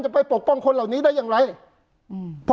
ไปปกป้องคนเหล่านี้ได้อย่างไรอืม